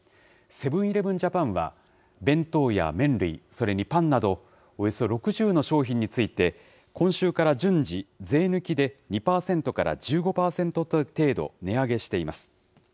セブン−イレブン・ジャパンは、弁当や麺類、それにパンなど、およそ６０の商品について、今週から順次、税抜きで２％から１５％程度、値上げしています。